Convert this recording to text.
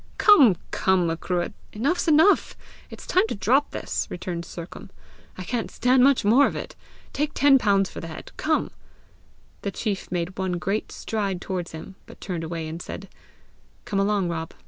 "Come, come, Macruadh! enough's enough! It's time to drop this!" returned Sercombe. "I can't stand much more of it! Take ten pounds for the head! Come!" The chief made one great stride towards him, but turned away, and said, "Come along, Rob!